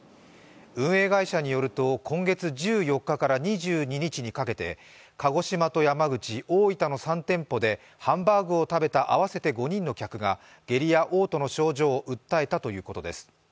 運営会社によると今月１４日から２２日にかけて鹿児島と山口、大分の３店舗でハンバーグを食べた合わせて５人の客が下痢やおう吐の症状を訴えたということです。